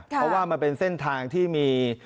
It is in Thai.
เพราะว่ามันเป็นเส้นทางที่มี